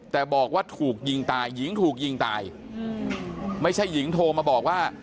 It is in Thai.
แต่บอกว่าถูกยิงตายหญิงถูกยิงตายไม่ใช่หญิงโทรมาบอกว่า